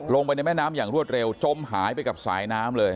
ลงไปในแม่น้ำอย่างรวดเร็วจมหายไปกับสายน้ำเลย